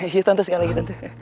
iya tante sekali lagi tante